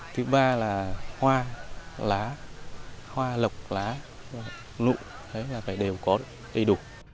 thứ ba là hoa lá hoa lộc lá lụ đấy là đều có đầy đủ